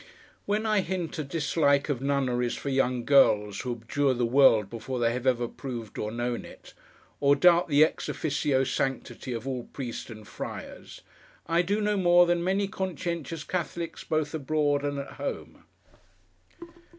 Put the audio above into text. When I hint a dislike of nunneries for young girls who abjure the world before they have ever proved or known it; or doubt the ex officio sanctity of all Priests and Friars; I do no more than many conscientious Catholics both abroad and at home.